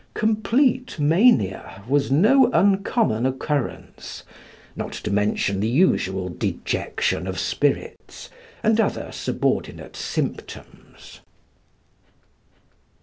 Complete mania was no uncommon occurrence, not to mention the usual dejection of spirits and other subordinate symptoms.